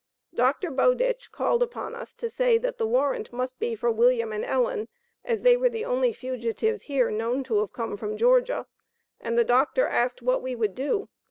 Dr. Bowditch called upon us to say, that the warrant must be for William and Ellen, as they were the only fugitives here known to have come from Georgia, and the Dr. asked what we could do.